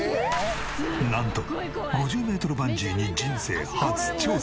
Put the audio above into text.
なんと５０メートルバンジーに人生初挑戦。